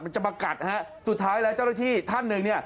จะมากัดฮะสุดท้ายแล้วเจ้าหน้าที่ท่านหนึ่งเนี่ย